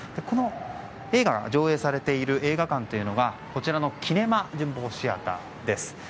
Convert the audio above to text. この映画が上映されている映画館というのがこちらのキネマ旬報シアターです。